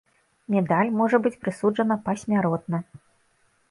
Медаль можа быць прысуджана пасмяротна.